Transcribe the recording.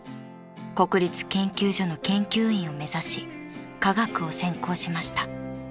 ［国立研究所の研究員を目指し化学を専攻しました］